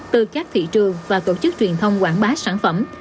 từ các thị trường và tổ chức truyền thông quảng bá sản phẩm